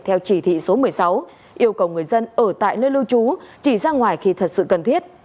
theo chỉ thị số một mươi sáu yêu cầu người dân ở tại nơi lưu trú chỉ ra ngoài khi thật sự cần thiết